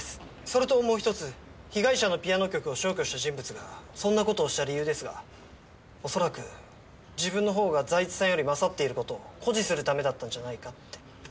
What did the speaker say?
それともう１つ被害者のピアノ曲を消去した人物がそんな事をした理由ですが恐らく自分の方が財津さんより勝っている事を誇示するためだったんじゃないかって。